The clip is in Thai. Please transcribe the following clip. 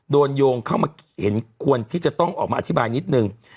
โยงเข้ามาเห็นควรที่จะต้องออกมาอธิบายนิดนึง